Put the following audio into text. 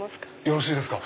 よろしいですか。